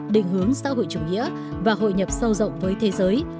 định hướng xã hội chủ nghĩa và hội nhập sâu rộng với thế giới